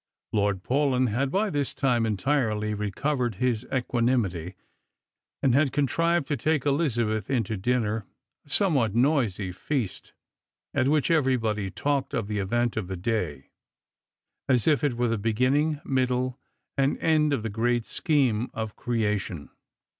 Lord Paulyn had by this time entirely recovered his equanimity, and had contrived to take Elizabeth in to dinner — a somewhat noisy feast, at which everybody talked of the event; of the day, as if it were the begin ning, middle, and end of the great scheme of creation.